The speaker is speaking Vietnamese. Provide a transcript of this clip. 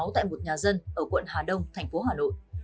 tại một nhà dân ở quận hà đông thành phố hà nội